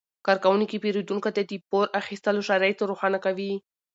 کارکوونکي پیرودونکو ته د پور اخیستلو شرایط روښانه کوي.